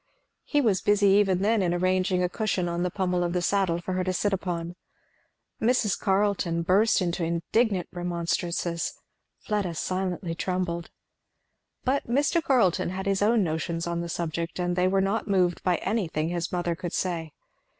He was busy even then in arranging a cushion on the pommel of the saddle for her to sit upon. Mrs. Carleton burst into indignant remonstrances; Fleda silently trembled. But Mr. Carleton had his own notions on the subject, and they were not moved by anything his mother could say.